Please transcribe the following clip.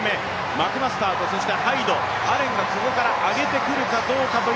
マクマスターとハイド、アレンがここから上げてくるかどうか。